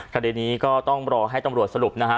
คดีนี้ก็ต้องรอให้ตำรวจสรุปนะฮะ